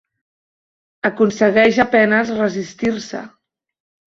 Aconsegueix a penes resistir-se.